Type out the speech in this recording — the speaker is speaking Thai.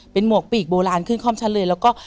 เป็นหมวกปีกโบราณขึ้นคล่อมชั้นเลยแล้วก็